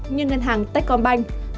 như ngân hàng tech con bành